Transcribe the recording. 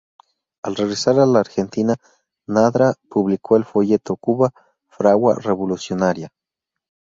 Al regresar a la Argentina, Nadra publicó el folleto "Cuba, fragua revolucionaria".